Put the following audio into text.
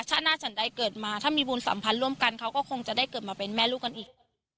ชาติหน้าฉันใดเกิดมาถ้ามีบุญสัมพันธ์ร่วมกันเขาก็คงจะได้เกิดมาเป็นแม่ลูกกันอีก